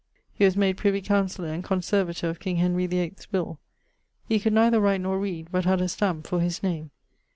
He was made Privy Councellor and conservator of King Henry the Eight'swill. He could neither write nor read, but had a stamp for his name.